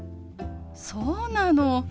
そうなの？